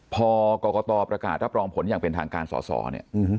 พอกรกตประกาศรับรองผลอย่างเป็นทางการสอสอเนี่ย